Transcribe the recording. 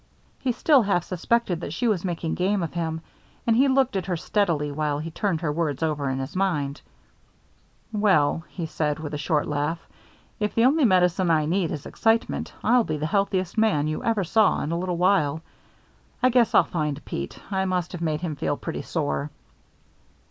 He still half suspected that she was making game of him, and he looked at her steadily while he turned her words over in his mind. "Well," he said, with a short laugh, "if the only medicine I need is excitement, I'll be the healthiest man you ever saw in a little while. I guess I'll find Pete. I must have made him feel pretty sore."